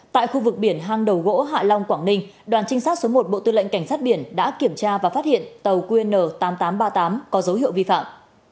tại khu vực biển hang đầu gỗ hạ long quảng ninh đoàn trinh sát số một bộ tư lệnh cảnh sát biển đã kiểm tra và phát hiện tàu qn tám nghìn tám trăm ba mươi tám có dấu hiệu vi phạm